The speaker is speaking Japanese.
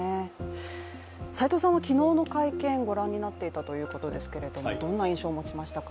斎藤さんは昨日の会見をご覧になっていたということですけれども、どんな印象を持ちましたか？